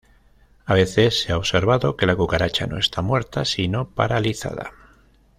A veces se ha observado que la cucaracha no está muerta sino paralizada.